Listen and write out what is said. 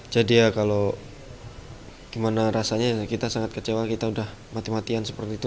jadi ya kalau gimana rasanya kita sangat kecewa kita udah mati matian seperti itu